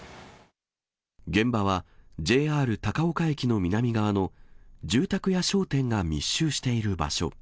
現場はＪＲ高岡駅の南側の住宅や商店が密集している場所。